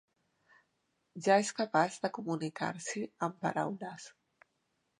Ja és capaç de comunicar-s'hi amb paraules.